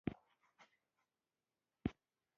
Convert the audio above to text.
چین په تولید کې نړیوال مشر دی.